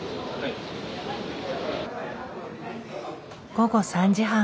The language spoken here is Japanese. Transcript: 午後３時半。